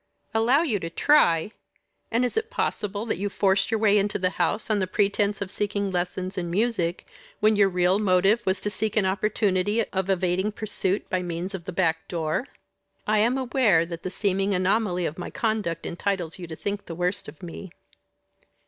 "Allow you to try! And is it possible that you forced your way into the house on the pretence of seeking lessons in music, when your real motive was to seek an opportunity of evading pursuit by means of the back door?" "I am aware that the seeming anomaly of my conduct entitles you to think the worst of me."